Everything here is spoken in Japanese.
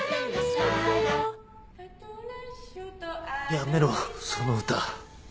やめろその歌。